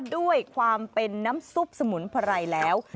ด้วยความเป็นน้ำซุปสมุนไพรแล้ว